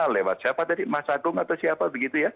lewat siapa tadi mas agung atau siapa begitu ya